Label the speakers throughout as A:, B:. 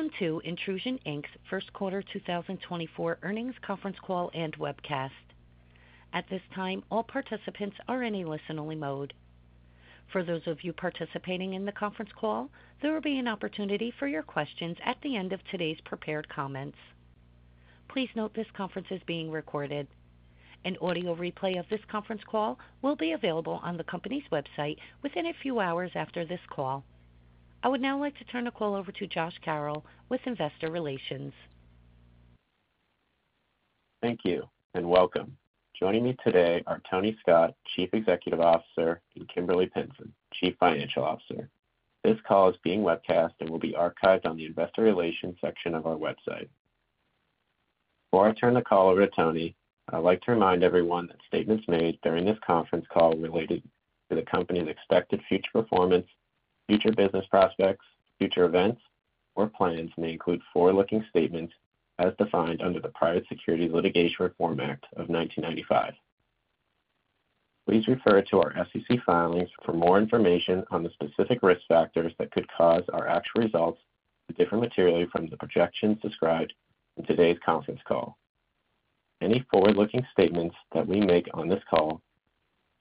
A: Welcome to Intrusion Inc.'s first quarter 2024 Earnings Conference Call and Webcast. At this time, all participants are in a listen-only mode. For those of you participating in the conference call, there will be an opportunity for your questions at the end of today's prepared comments. Please note this conference is being recorded. An audio replay of this conference call will be available on the company's website within a few hours after this call. I would now like to turn the call over to Josh Carroll with Investor Relations.
B: Thank you, and welcome. Joining me today are Tony Scott, Chief Executive Officer, and Kimberly Pinson, Chief Financial Officer. This call is being webcast and will be archived on the Investor Relations section of our website. Before I turn the call over to Tony, I'd like to remind everyone that statements made during this conference call related to the company's expected future performance, future business prospects, future events, or plans may include forward-looking statements as defined under the Private Securities Litigation Reform Act of 1995. Please refer to our SEC filings for more information on the specific risk factors that could cause our actual results to differ materially from the projections described in today's conference call. Any forward-looking statements that we make on this call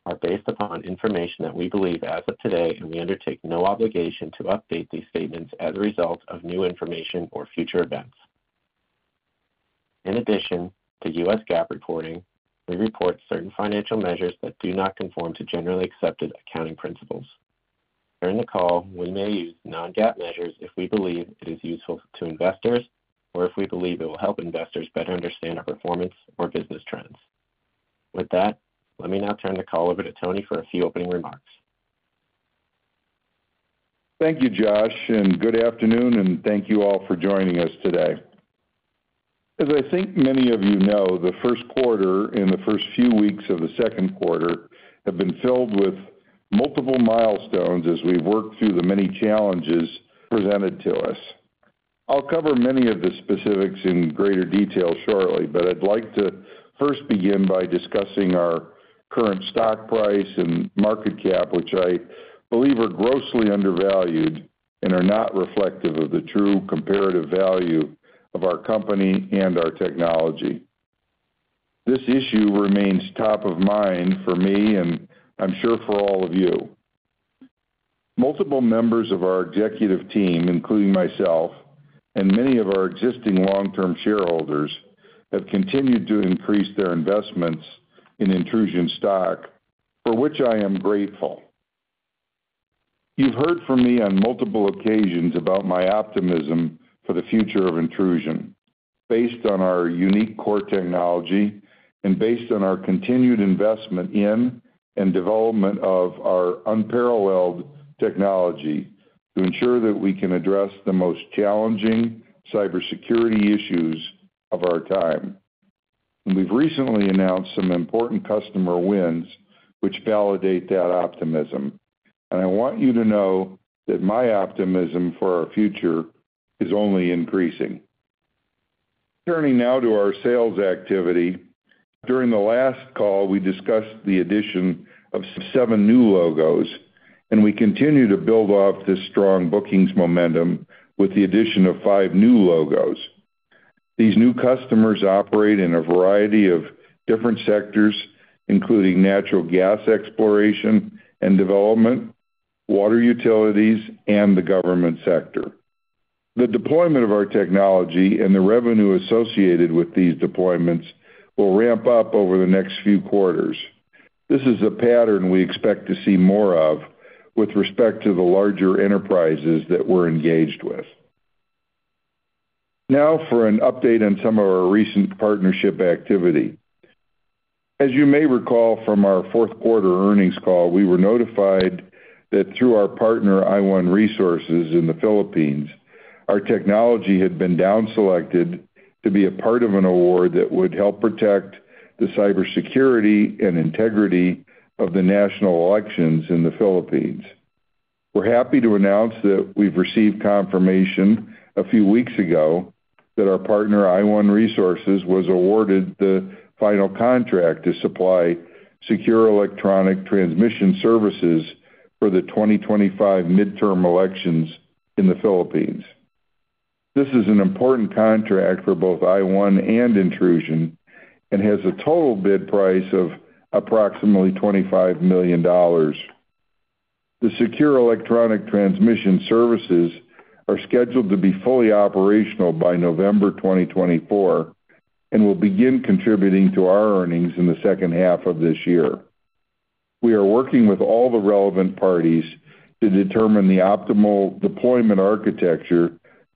B: are based upon information that we believe as of today, and we undertake no obligation to update these statements as a result of new information or future events. In addition to U.S. GAAP reporting, we report certain financial measures that do not conform to generally accepted accounting principles. During the call, we may use non-GAAP measures if we believe it is useful to investors or if we believe it will help investors better understand our performance or business trends. With that, let me now turn the call over to Tony for a few opening remarks.
C: Thank you, Josh, and good afternoon, and thank you all for joining us today. As I think many of you know, the first quarter and the first few weeks of the second quarter have been filled with multiple milestones as we've worked through the many challenges presented to us. I'll cover many of the specifics in greater detail shortly, but I'd like to first begin by discussing our current stock price and market cap, which I believe are grossly undervalued and are not reflective of the true comparative value of our company and our technology. This issue remains top of mind for me, and I'm sure for all of you. Multiple members of our executive team, including myself and many of our existing long-term shareholders, have continued to increase their investments in Intrusion stock, for which I am grateful. You've heard from me on multiple occasions about my optimism for the future of Intrusion, based on our unique core technology and based on our continued investment in and development of our unparalleled technology to ensure that we can address the most challenging cybersecurity issues of our time. We've recently announced some important customer wins which validate that optimism, and I want you to know that my optimism for our future is only increasing. Turning now to our sales activity. During the last call, we discussed the addition of seven new logos, and we continue to build off this strong bookings momentum with the addition of five new logos. These new customers operate in a variety of different sectors, including natural gas exploration and development, water utilities, and the government sector. The deployment of our technology and the revenue associated with these deployments will ramp up over the next few quarters. This is a pattern we expect to see more of with respect to the larger enterprises that we're engaged with. Now for an update on some of our recent partnership activity. As you may recall from our fourth quarter earnings call, we were notified that through our partner, iOne Resources in the Philippines, our technology had been downselected to be a part of an award that would help protect the cybersecurity and integrity of the national elections in the Philippines. We're happy to announce that we've received confirmation a few weeks ago that our partner, iOne Resources, was awarded the final contract to supply secure electronic transmission services for the 2025 midterm elections in the Philippines. This is an important contract for both iOne and Intrusion and has a total bid price of approximately $25 million. The secure electronic transmission services are scheduled to be fully operational by November 2024 and will begin contributing to our earnings in the second half of this year. We are working with all the relevant parties to determine the optimal deployment architecture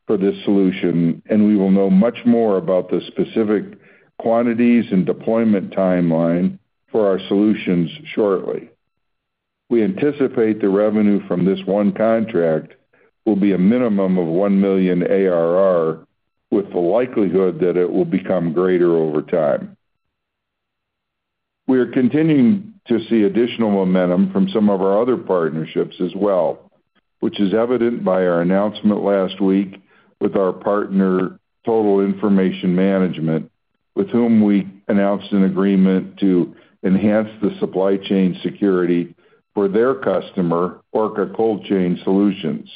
C: for this solution, and we will know much more about the specific quantities and deployment timeline for our solutions shortly. We anticipate the revenue from this one contract will be a minimum of $1 million ARR, with the likelihood that it will become greater over time. We are continuing to see additional momentum from some of our other partnerships as well, which is evident by our announcement last week with our partner, Total Information Management.... with whom we announced an agreement to enhance the supply chain security for their customer, Orca Cold Chain Solutions.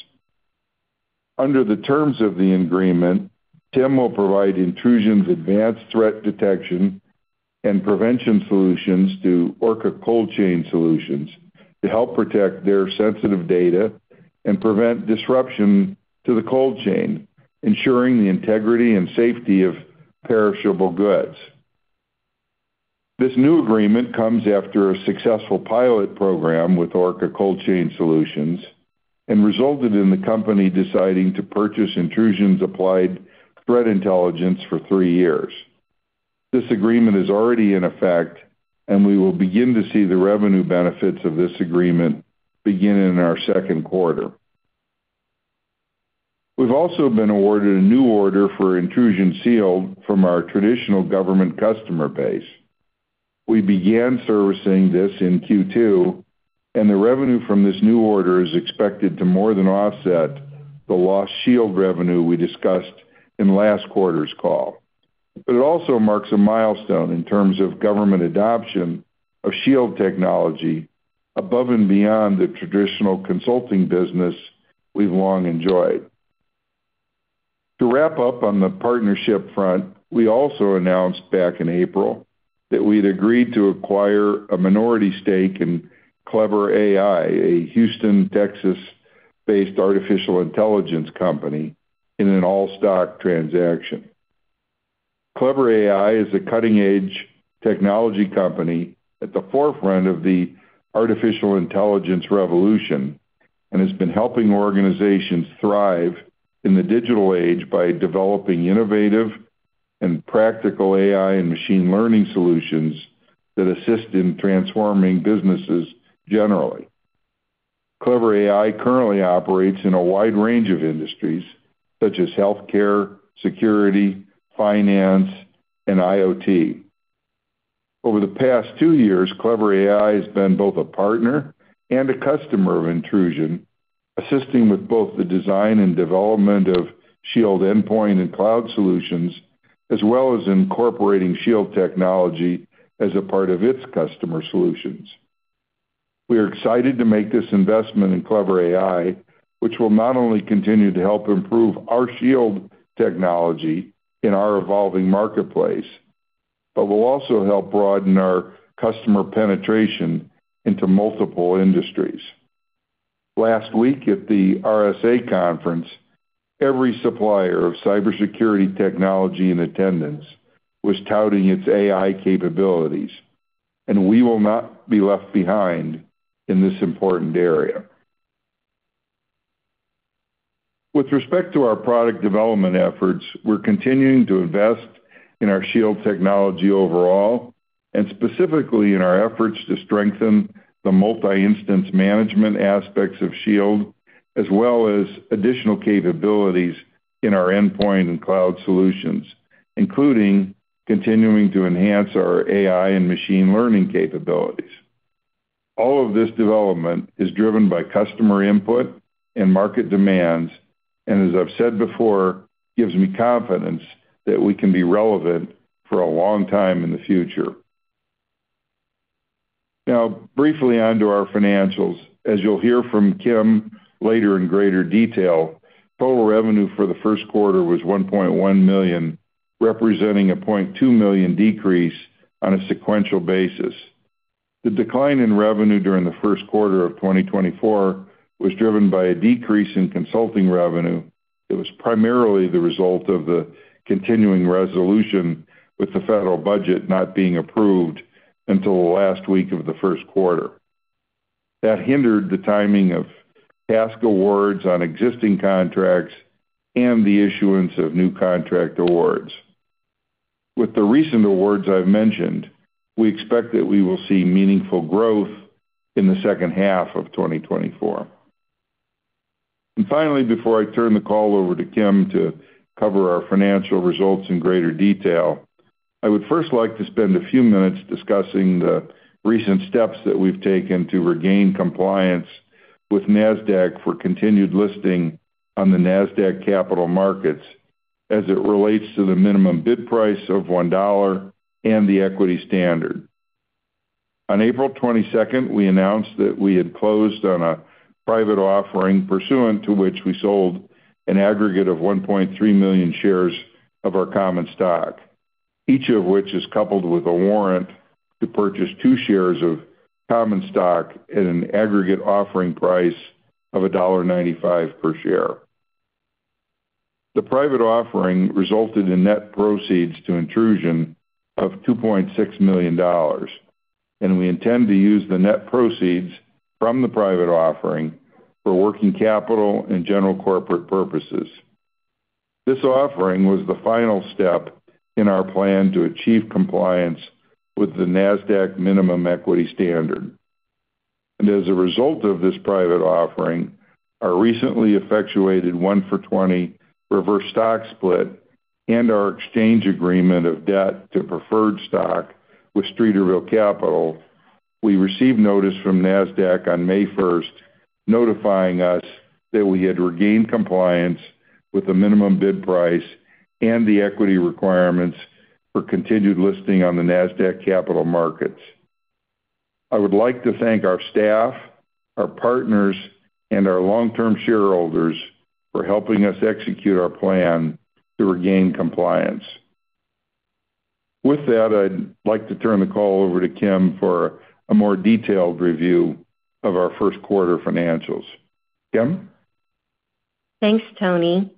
C: Under the terms of the agreement, Tim will provide Intrusion's advanced threat detection and prevention solutions to Orca Cold Chain Solutions to help protect their sensitive data and prevent disruption to the cold chain, ensuring the integrity and safety of perishable goods. This new agreement comes after a successful pilot program with Orca Cold Chain Solutions and resulted in the company deciding to purchase Intrusion's applied threat intelligence for three years. This agreement is already in effect, and we will begin to see the revenue benefits of this agreement beginning in our second quarter. We've also been awarded a new order for Intrusion Shield from our traditional government customer base. We began servicing this in Q2, and the revenue from this new order is expected to more than offset the lost Shield revenue we discussed in last quarter's call. It also marks a milestone in terms of government adoption of Shield technology above and beyond the traditional consulting business we've long enjoyed. To wrap up on the partnership front, we also announced back in April that we'd agreed to acquire a minority stake in Klever AI, a Houston, Texas-based artificial intelligence company, in an all-stock transaction. Klever AI is a cutting-edge technology company at the forefront of the artificial intelligence revolution, and has been helping organizations thrive in the digital age by developing innovative and practical AI and machine learning solutions that assist in transforming businesses generally. Klever AI currently operates in a wide range of industries, such as healthcare, security, finance, and IoT. Over the past two years, Klever AI has been both a partner and a customer of Intrusion, assisting with both the design and development of Shield Endpoint and Cloud solutions, as well as incorporating Shield technology as a part of its customer solutions. We are excited to make this investment in Klever AI, which will not only continue to help improve our Shield technology in our evolving marketplace, but will also help broaden our customer penetration into multiple industries. Last week, at the RSA Conference, every supplier of cybersecurity technology in attendance was touting its AI capabilities, and we will not be left behind in this important area. With respect to our product development efforts, we're continuing to invest in our Shield technology overall, and specifically in our efforts to strengthen the multi-instance management aspects of Shield, as well as additional capabilities in our endpoint and cloud solutions, including continuing to enhance our AI and machine learning capabilities. All of this development is driven by customer input and market demands, and as I've said before, gives me confidence that we can be relevant for a long time in the future. Now, briefly onto our financials. As you'll hear from Kim later in greater detail, total revenue for the first quarter was $1.1 million, representing a $0.2 million decrease on a sequential basis. The decline in revenue during the first quarter of 2024 was driven by a decrease in consulting revenue that was primarily the result of the Continuing Resolution, with the federal budget not being approved until the last week of the first quarter. That hindered the timing of task awards on existing contracts and the issuance of new contract awards. With the recent awards I've mentioned, we expect that we will see meaningful growth in the second half of 2024. And finally, before I turn the call over to Kim to cover our financial results in greater detail, I would first like to spend a few minutes discussing the recent steps that we've taken to regain compliance with Nasdaq for continued listing on the Nasdaq capital markets as it relates to the minimum bid price of $1 and the equity standard. On April 22nd, we announced that we had closed on a private offering, pursuant to which we sold an aggregate of 1.3 million shares of our common stock, each of which is coupled with a warrant to purchase two shares of common stock at an aggregate offering price of $1.95 per share. The private offering resulted in net proceeds to Intrusion of $2.6 million, and we intend to use the net proceeds from the private offering for working capital and general corporate purposes. This offering was the final step in our plan to achieve compliance with the Nasdaq minimum equity standard. As a result of this private offering, our recently effectuated 1-for-20 reverse stock split and our exchange agreement of debt to preferred stock with Streeterville Capital... We received notice from Nasdaq on May 1st, notifying us that we had regained compliance with the minimum bid price and the equity requirements for continued listing on the Nasdaq capital markets. I would like to thank our staff, our partners, and our long-term shareholders for helping us execute our plan to regain compliance. With that, I'd like to turn the call over to Kim for a more detailed review of our first quarter financials. Kim?
D: Thanks, Tony.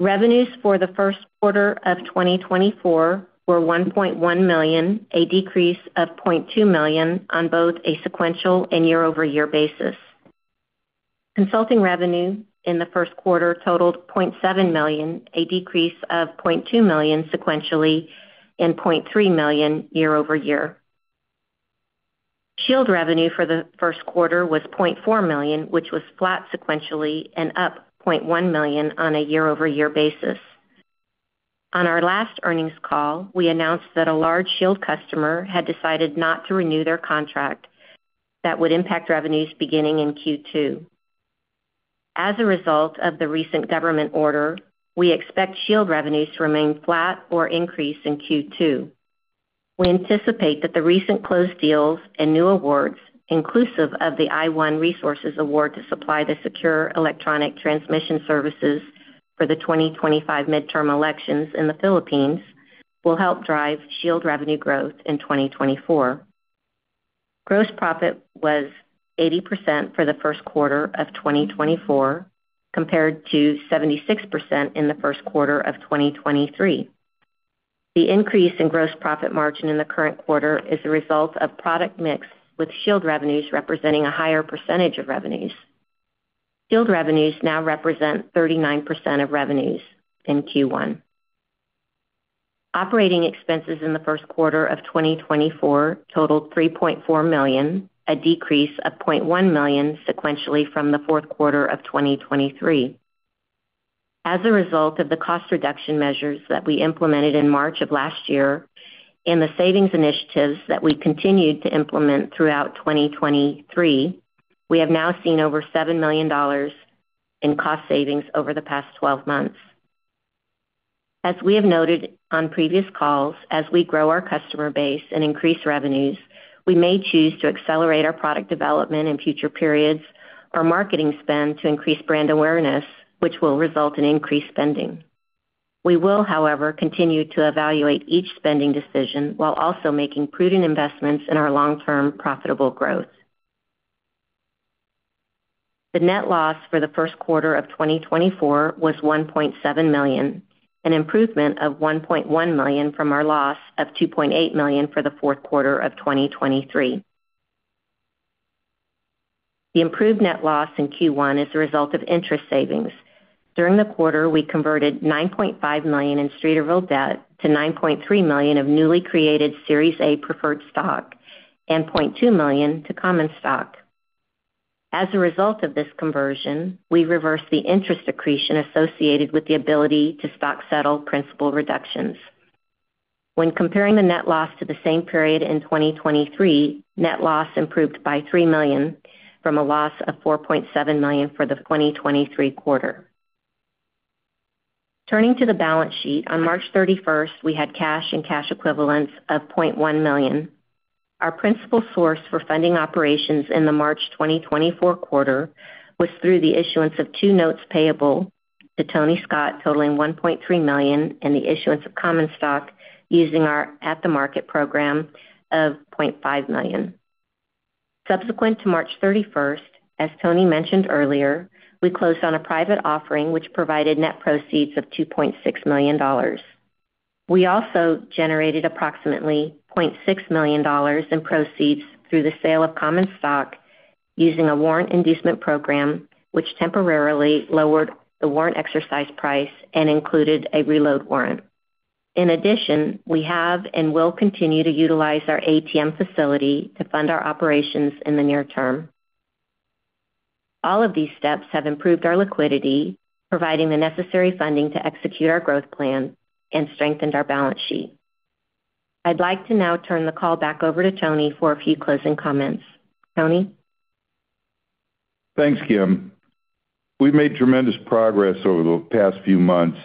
D: Revenues for the first quarter of 2024 were $1.1 million, a decrease of $0.2 million on both a sequential and year-over-year basis. Consulting revenue in the first quarter totaled $0.7 million, a decrease of $0.2 million sequentially and $0.3 million year over year. Shield revenue for the first quarter was $0.4 million, which was flat sequentially and up $0.1 million on a year-over-year basis. On our last earnings call, we announced that a large Shield customer had decided not to renew their contract. That would impact revenues beginning in Q2. As a result of the recent government order, we expect Shield revenues to remain flat or increase in Q2. We anticipate that the recent closed deals and new awards, inclusive of the iOne Resources award to supply the secure electronic transmission services for the 2025 midterm elections in the Philippines, will help drive Shield revenue growth in 2024. Gross profit was 80% for the first quarter of 2024, compared to 76% in the first quarter of 2023. The increase in gross profit margin in the current quarter is a result of product mix, with Shield revenues representing a higher percentage of revenues. Shield revenues now represent 39% of revenues in Q1. Operating expenses in the first quarter of 2024 totaled $3.4 million, a decrease of $0.1 million sequentially from the fourth quarter of 2023. As a result of the cost reduction measures that we implemented in March of last year and the savings initiatives that we continued to implement throughout 2023, we have now seen over $7 million in cost savings over the past 12 months. As we have noted on previous calls, as we grow our customer base and increase revenues, we may choose to accelerate our product development in future periods or marketing spend to increase brand awareness, which will result in increased spending. We will, however, continue to evaluate each spending decision while also making prudent investments in our long-term profitable growth. The net loss for the first quarter of 2024 was $1.7 million, an improvement of $1.1 million from our loss of $2.8 million for the fourth quarter of 2023. The improved net loss in Q1 is a result of interest savings. During the quarter, we converted $9.5 million in Streeterville debt to $9.3 million of newly created Series A preferred stock and $0.2 million to common stock. As a result of this conversion, we reversed the interest accretion associated with the ability to stock settle principal reductions. When comparing the net loss to the same period in 2023, net loss improved by $3 million from a loss of $4.7 million for the 2023 quarter. Turning to the balance sheet, on March 31st, we had cash and cash equivalents of $0.1 million. Our principal source for funding operations in the March 2024 quarter was through the issuance of two notes payable to Tony Scott, totaling $1.3 million, and the issuance of common stock using our at-the-market program of $0.5 million. Subsequent to March 31st, as Tony mentioned earlier, we closed on a private offering, which provided net proceeds of $2.6 million. We also generated approximately $0.6 million in proceeds through the sale of common stock using a warrant inducement program, which temporarily lowered the warrant exercise price and included a reload warrant. In addition, we have and will continue to utilize our ATM facility to fund our operations in the near term. All of these steps have improved our liquidity, providing the necessary funding to execute our growth plan and strengthened our balance sheet. I'd like to now turn the call back over to Tony for a few closing comments. Tony?
C: Thanks, Kim. We've made tremendous progress over the past few months,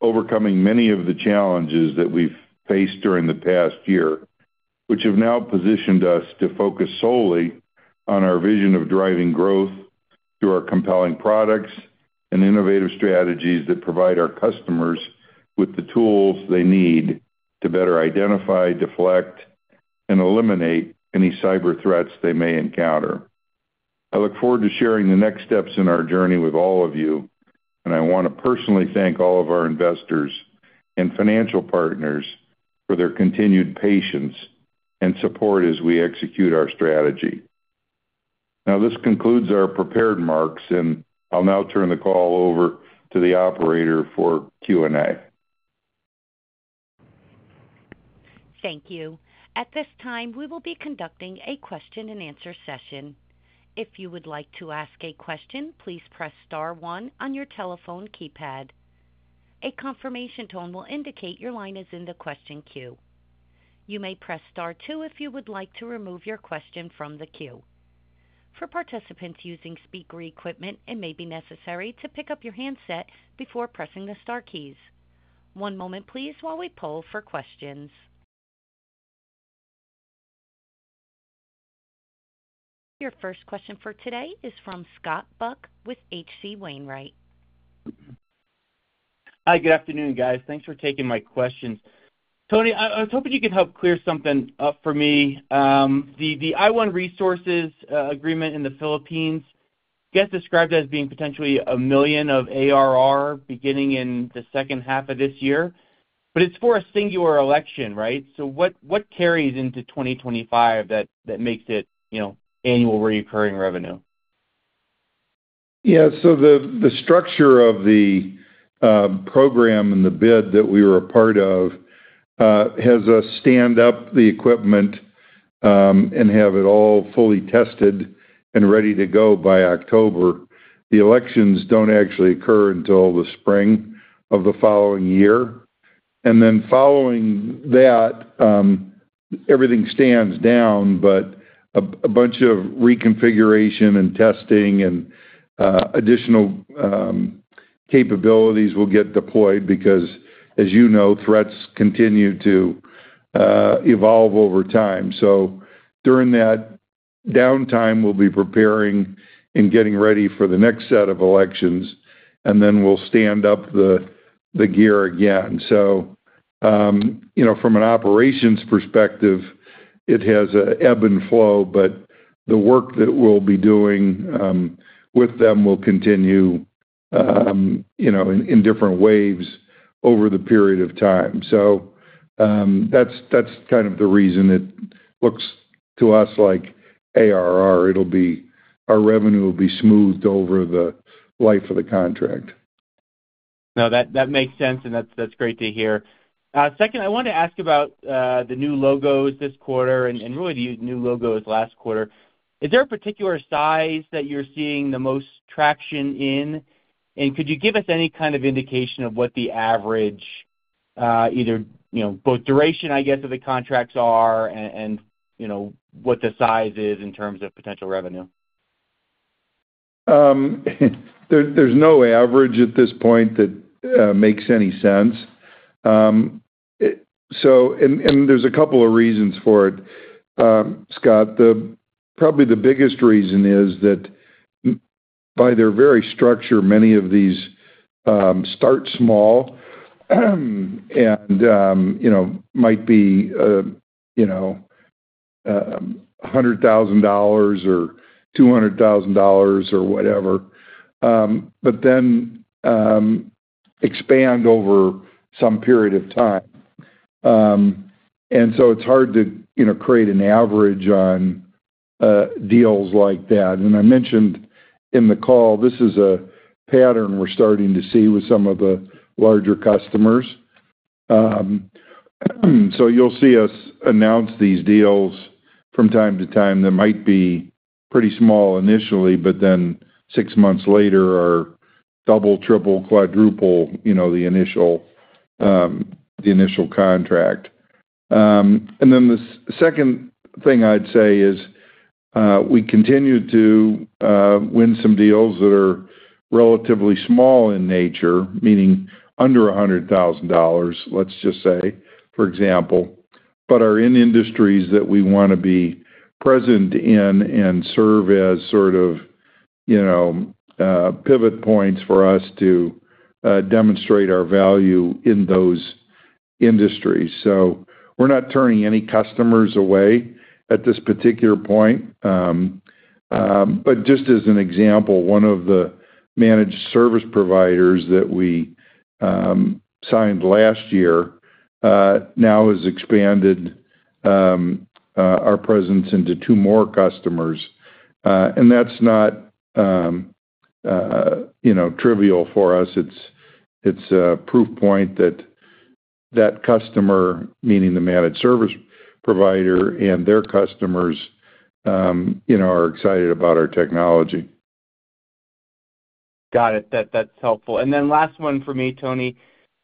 C: overcoming many of the challenges that we've faced during the past year, which have now positioned us to focus solely on our vision of driving growth through our compelling products and innovative strategies that provide our customers with the tools they need to better identify, deflect, and eliminate any cyber threats they may encounter. I look forward to sharing the next steps in our journey with all of you, and I want to personally thank all of our investors and financial partners for their continued patience and support as we execute our strategy. Now, this concludes our prepared remarks, and I'll now turn the call over to the operator for Q&A.
A: Thank you. At this time, we will be conducting a question-and-answer session. If you would like to ask a question, please press star one on your telephone keypad.... A confirmation tone will indicate your line is in the question queue. You may press star two if you would like to remove your question from the queue. For participants using speaker equipment, it may be necessary to pick up your handset before pressing the star keys. One moment please, while we poll for questions. Your first question for today is from Scott Buck with H.C. Wainwright.
E: Hi, good afternoon, guys. Thanks for taking my questions. Tony, I was hoping you could help clear something up for me. The iOne Resources agreement in the Philippines gets described as being potentially $1 million of ARR beginning in the second half of this year, but it's for a singular election, right? So what carries into 2025 that makes it, you know, annual recurring revenue?
C: Yeah. So the structure of the program and the bid that we were a part of has us stand up the equipment and have it all fully tested and ready to go by October. The elections don't actually occur until the spring of the following year, and then following that, everything stands down. But a bunch of reconfiguration and testing and additional capabilities will get deployed because, as you know, threats continue to evolve over time. So during that downtime, we'll be preparing and getting ready for the next set of elections, and then we'll stand up the gear again. So, you know, from an operations perspective, it has an ebb and flow, but the work that we'll be doing with them will continue, you know, in different waves over the period of time. That's, that's kind of the reason it looks to us like ARR. It'll be... Our revenue will be smoothed over the life of the contract.
E: No, that makes sense, and that's great to hear. Second, I wanted to ask about the new logos this quarter and really the new logos last quarter. Is there a particular size that you're seeing the most traction in? And could you give us any kind of indication of what the average either, you know, both duration, I guess, of the contracts are and you know what the size is in terms of potential revenue?
C: There's no average at this point that makes any sense. And there's a couple of reasons for it, Scott. Probably the biggest reason is that by their very structure, many of these start small, and you know, might be $100,000 or $200,000 or whatever, but then expand over some period of time. And so it's hard to, you know, create an average on deals like that. And I mentioned in the call, this is a pattern we're starting to see with some of the larger customers. So you'll see us announce these deals from time to time. They might be pretty small initially, but then six months later, are double, triple, quadruple, you know, the initial contract. And then the second thing I'd say is, we continue to win some deals that are relatively small in nature, meaning under $100,000, let's just say, for example, but are in industries that we wanna be present in and serve as sort of, you know, pivot points for us to demonstrate our value in those industries. So we're not turning any customers away at this particular point. But just as an example, one of the managed service providers that we signed last year now has expanded our presence into two more customers, and that's not, you know, trivial for us. It's a proof point that that customer, meaning the managed service provider and their customers, you know, are excited about our technology.
E: Got it. That, that's helpful. And then last one for me, Tony,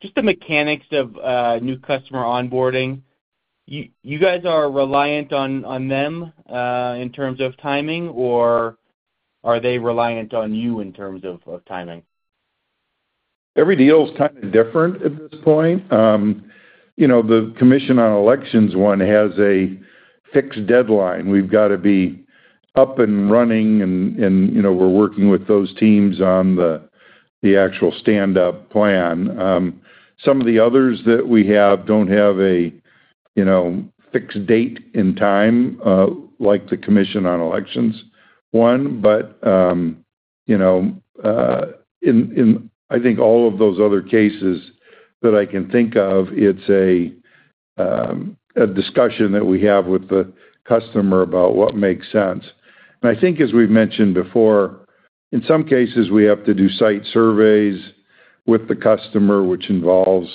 E: just the mechanics of new customer onboarding. You, you guys are reliant on, on them in terms of timing, or are they reliant on you in terms of, of timing?
C: Every deal is kind of different at this point. You know, the Commission on Elections one has a fixed deadline. We've got to be up and running and, you know, we're working with those teams on the actual stand-up plan. Some of the others that we have don't have a, you know, fixed date in time, like the Commission on Elections one. But, you know, in, I think all of those other cases that I can think of, it's a discussion that we have with the customer about what makes sense. And I think as we've mentioned before, in some cases, we have to do site surveys with the customer, which involves,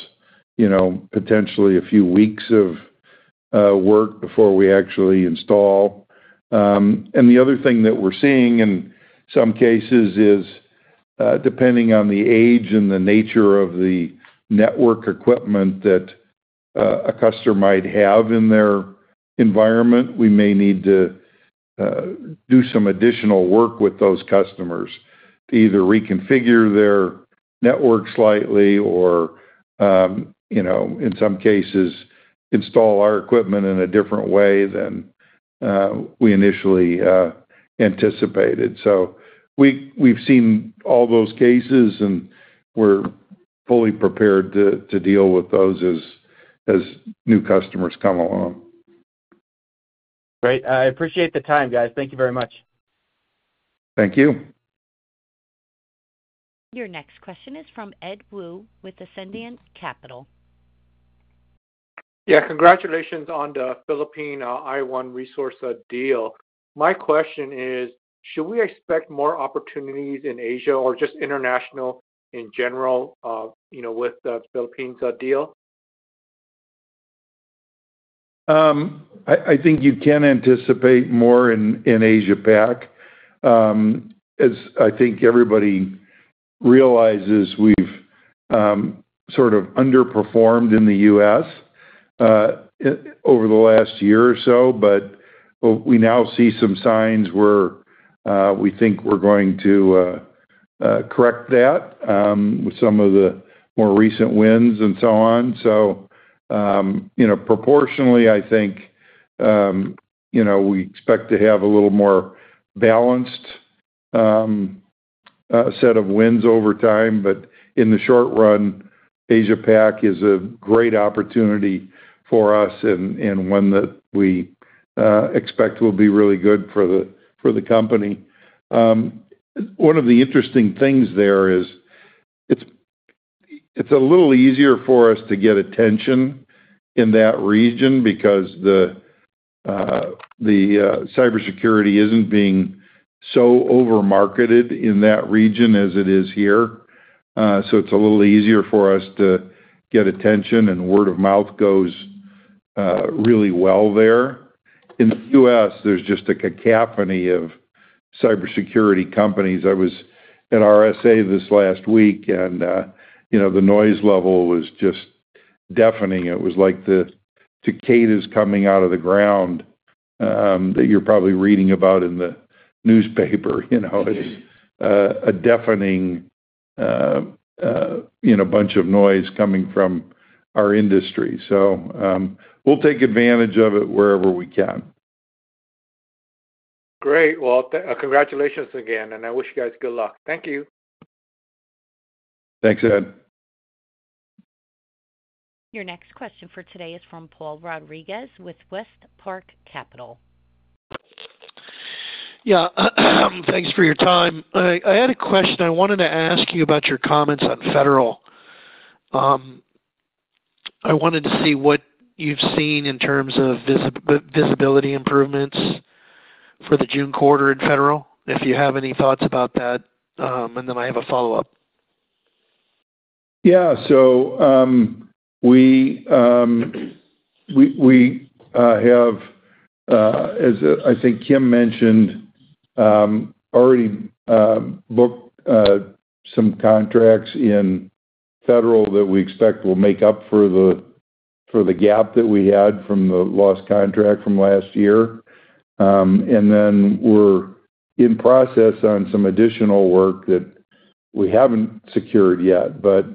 C: you know, potentially a few weeks of work before we actually install. And the other thing that we're seeing in some cases is, depending on the age and the nature of the network equipment that a customer might have in their environment, we may need to do some additional work with those customers to either reconfigure their network slightly or, you know, in some cases, install our equipment in a different way than we initially anticipated. So we've seen all those cases, and we're fully prepared to deal with those as new customers come along.
E: Great. I appreciate the time, guys. Thank you very much.
C: Thank you.
A: Your next question is from Ed Woo with Ascendiant Capital.
F: Yeah, congratulations on the Philippines iOne Resources deal. My question is, should we expect more opportunities in Asia or just international in general, you know, with the Philippines deal?
C: I think you can anticipate more in Asia-Pac. As I think everybody realizes, we've sort of underperformed in the U.S. over the last year or so, but we now see some signs where we think we're going to correct that with some of the more recent wins and so on. So, you know, proportionally, I think you know, we expect to have a little more balanced set of wins over time. But in the short run, Asia-Pac is a great opportunity for us and one that we expect will be really good for the company. One of the interesting things there is, it's a little easier for us to get attention in that region because the cybersecurity isn't being so over-marketed in that region as it is here. So it's a little easier for us to get attention, and word of mouth goes really well there. In the U.S., there's just a cacophony of cybersecurity companies. I was at RSA this last week, and, you know, the noise level was just deafening. It was like the cicadas coming out of the ground that you're probably reading about in the newspaper, you know, a deafening, you know, bunch of noise coming from our industry. So we'll take advantage of it wherever we can.
F: Great. Well, congratulations again, and I wish you guys good luck. Thank you.
C: Thanks, Ed.
A: Your next question for today is from Paul Rodriguez with WestPark Capital.
G: Yeah, thanks for your time. I had a question I wanted to ask you about your comments on federal. I wanted to see what you've seen in terms of visibility improvements for the June quarter in federal, if you have any thoughts about that, and then I have a follow-up.
C: Yeah. So, we have, as I think Kim mentioned, already booked some contracts in federal that we expect will make up for the gap that we had from the lost contract from last year. And then we're in process on some additional work that we haven't secured yet. But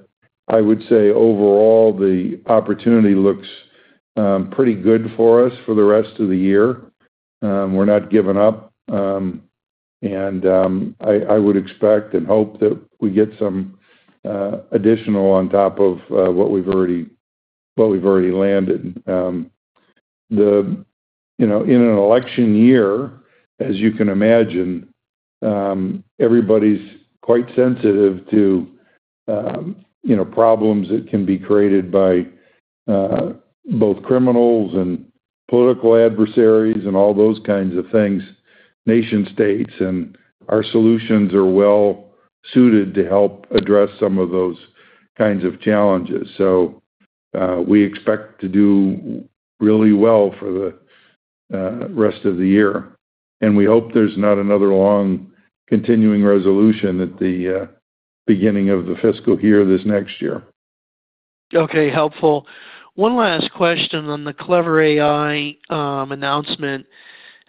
C: I would say, overall, the opportunity looks pretty good for us for the rest of the year. We're not giving up, and I would expect and hope that we get some additional on top of what we've already landed. The... You know, in an election year, as you can imagine, everybody's quite sensitive to, you know, problems that can be created by, both criminals and political adversaries and all those kinds of things, Nation-States, and Our Solutions are well suited to help address some of those kinds of challenges. So, we expect to do really well for the, rest of the year, and we hope there's not another long, Continuing Resolution at the, beginning of the fiscal year, this next year.
G: Okay, helpful. One last question on the Klever AI announcement.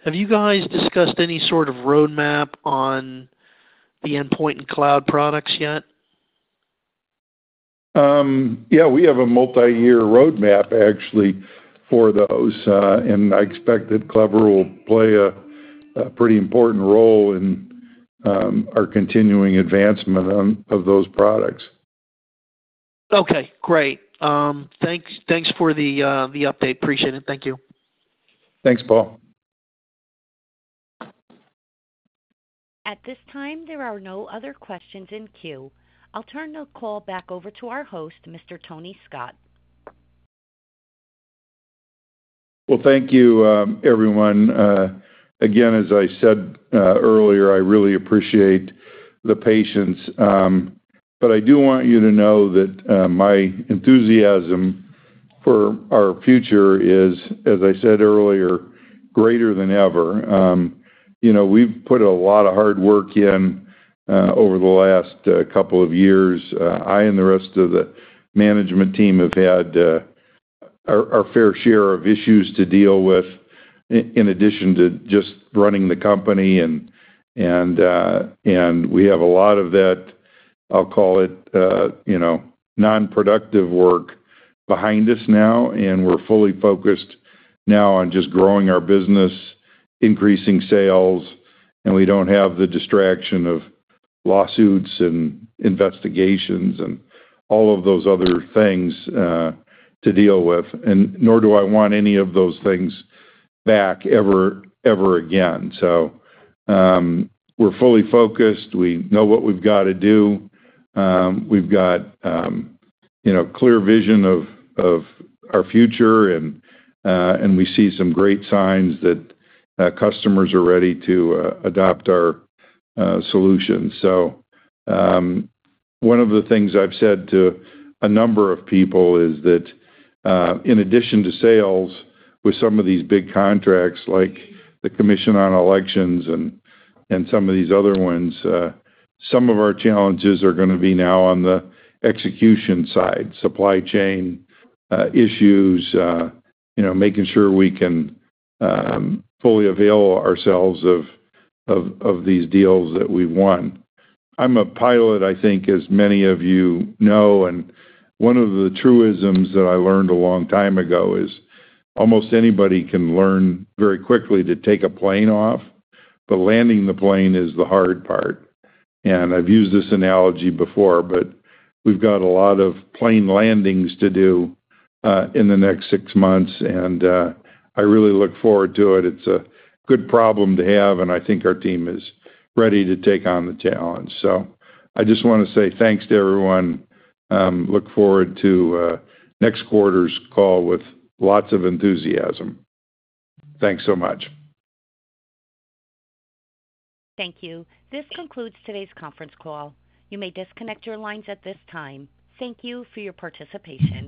G: Have you guys discussed any sort of roadmap on the endpoint and cloud products yet?
C: Yeah, we have a multiyear roadmap actually for those, and I expect that Klever will play a pretty important role in our continuing advancement of those products.
G: Okay, great. Thanks, thanks for the update. Appreciate it. Thank you.
C: Thanks, Paul.
A: At this time, there are no other questions in queue. I'll turn the call back over to our host, Mr. Tony Scott.
C: Well, thank you, everyone. Again, as I said earlier, I really appreciate the patience. But I do want you to know that my enthusiasm for our future is, as I said earlier, greater than ever. You know, we've put a lot of hard work in over the last couple of years. I and the rest of the management team have had our fair share of issues to deal with, in addition to just running the company, and we have a lot of that. I'll call it, you know, non-productive work behind us now, and we're fully focused now on just growing our business, increasing sales, and we don't have the distraction of lawsuits, and investigations, and all of those other things to deal with, and nor do I want any of those things back ever, ever again. So, we're fully focused. We know what we've got to do. We've got, you know, clear vision of our future, and we see some great signs that customers are ready to adopt our solutions. So, one of the things I've said to a number of people is that, in addition to sales, with some of these big contracts, like the Commission on Elections and some of these other ones, some of our challenges are gonna be now on the execution side, supply chain issues, you know, making sure we can fully avail ourselves of these deals that we've won. I'm a pilot, I think, as many of you know, and one of the truisms that I learned a long time ago is almost anybody can learn very quickly to take a plane off, but landing the plane is the hard part. And I've used this analogy before, but we've got a lot of plane landings to do, in the next six months, and I really look forward to it. It's a good problem to have, and I think our team is ready to take on the challenge. So I just wanna say thanks to everyone. Look forward to next quarter's call with lots of enthusiasm. Thanks so much.
A: Thank you. This concludes today's conference call. You may disconnect your lines at this time. Thank you for your participation.